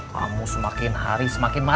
kamu semakin hari semakin malam